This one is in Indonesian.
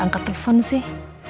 jangan pastikan ini salah